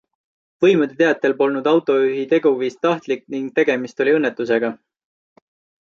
Võimude teatel polnud autojuhi teguviis tahtlik ning tegemist oli õnnetusega.